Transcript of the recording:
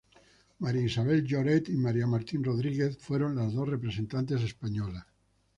María Isabel Lloret y María Martín Rodríguez fueron las dos representantes españolas.